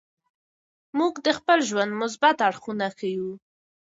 موږ د خپل ژوند مثبت اړخونه ښیو.